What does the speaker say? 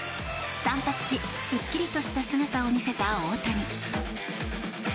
散髪し、すっきりとした姿を見せた大谷。